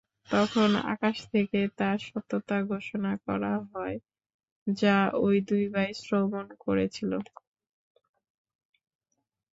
তখন আকাশ থেকে তার সত্যতা ঘোষণা করা হয় যা ঐ দুই ভাই শ্রবণ করেছিল।